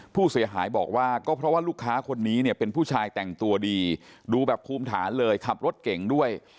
ผู้เสียหายบอกว่าก็เพราะว่าลูกค้าคนนี้เนี่ยเป็นผู้ชายแต่งตัวดีดูแบบภูมิฐานเลยขับรถเก่งด้วย